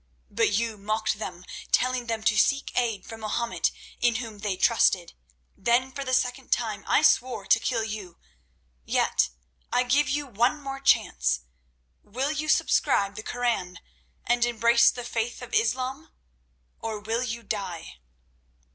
But you mocked them, telling them to seek aid from Mahomet, in whom they trusted. Then for the second time I swore to kill you. Yet I give you one more chance. Will you subscribe the Koran and embrace the faith of Islam? Or will you die?"